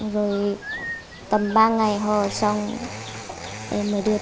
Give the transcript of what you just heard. rồi tầm ba ngày họ xong em mới được